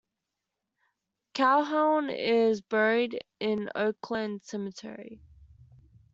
Calhoun is buried in Oakland Cemetery.